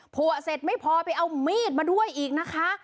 ผัวเสร็จไม่พอไปเอามีดมาด้วยอีกนะคะ